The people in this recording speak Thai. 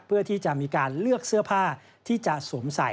เพื่อที่จะมีการเลือกเสื้อผ้าที่จะสวมใส่